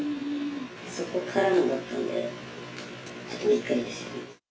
そこからだったので、ちょっとびっくりです。